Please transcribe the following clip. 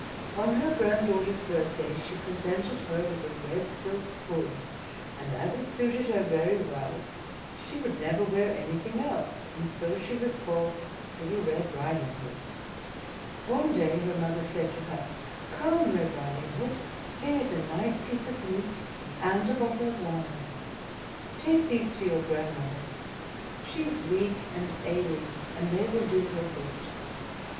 On her grand daughter's birthday she presented her with a red silk hood; and as it suited her very well, she would never wear anything else; and so she was called Little Red Riding Hood. One day her mother said to her, "Come, Red Riding Hood, here is a nice piece of meat, and a bottle of wine: take these to your grandmother; she is weak and ailing, and they will do her good.